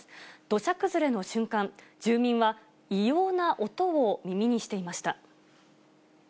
土砂崩れの瞬間、住民は異様な音を耳にしていました。